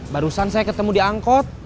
barusan saya ketemu di angkot